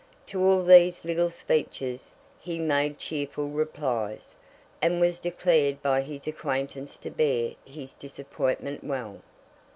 To all these little speeches he made cheerful replies, and was declared by his acquaintance to bear his disappointment well.